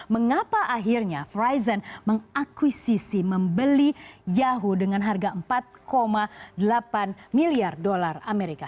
mengapa akhirnya verizon mengakuisisi membeli yahoo dengan harga empat delapan miliar dolar amerika